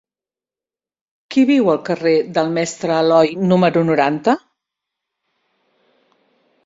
Qui viu al carrer del Mestre Aloi número noranta?